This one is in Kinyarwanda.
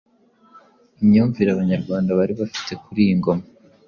imyumvire abanyarwanda bari bafite kuri iyo ngoma